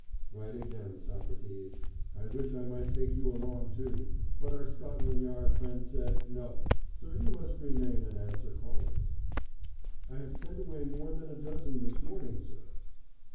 "Right again, Socrates. I wish I might take you along, too, but our Scotland Yard friend said 'No,' so you must remain and answer callers." "I have sent away more than a dozen this morning, sir."